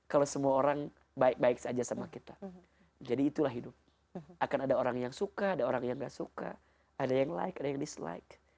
kalau semua orang baik baik saja sama kita jadi itulah hidup akan ada orang yang suka ada orang yang gak suka ada yang like ada yang dislike